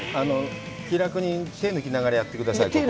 気楽に、手を抜きながらやってください。